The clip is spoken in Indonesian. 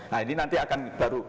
nah ini nanti akan baru